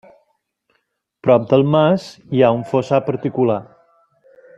Prop del mas, hi ha un fossar particular.